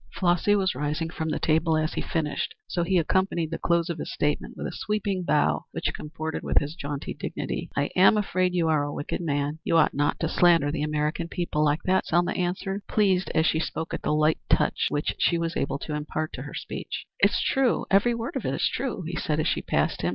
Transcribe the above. Flossy was rising from table as he finished, so he accompanied the close of his statement with a sweeping bow which comported with his jaunty dignity. "I am afraid you are a wicked man. You ought not to slander the American people like that," Selma answered, pleased as she spoke at the light touch which she was able to impart to her speech. "It's true. Every word of it is true," he said as she passed him.